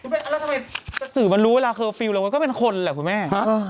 แล้วถ้าทำไมกะสือมันรู้เวลาเคอร์ฟิลแล้วก็เป็นคนแหละพอแม่